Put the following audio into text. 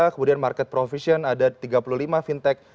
kemudian market provision ada tiga puluh lima fintech